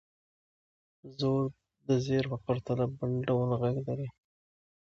زور د زېر په پرتله بل ډول غږ لري.